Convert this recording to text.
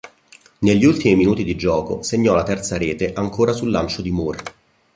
Negli ultimi minuti di gioco segnò la terza rete ancora su lancio di Moore.